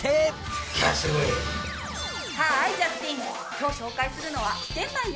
今日紹介するのは玄米よ！